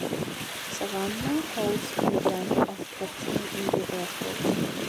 Savannah holds the rank of captain in the Air Force.